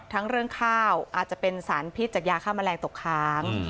ทั้งเรื่องข้าวอาจจะเป็นสารพิษจากยาฆ่าแมลงตกค้าง